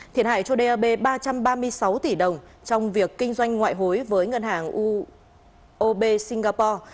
thiệt hại cho dap ba trăm ba mươi sáu tỷ đồng trong việc kinh doanh ngoại hối với ngân hàng ub singapore